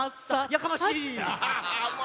やかましい！